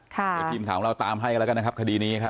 เดี๋ยวทีมข่าวของเราตามให้กันแล้วกันนะครับคดีนี้ครับ